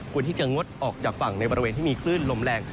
ที่จะงดออกจากฝั่งในบริเวณที่มีคลื่นลมแรง